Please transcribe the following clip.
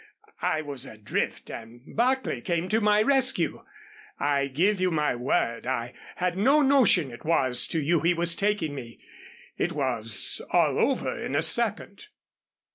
I was adrift and Barclay came to my rescue. I give you my word, I had no notion it was to you he was taking me. It was all over in a second."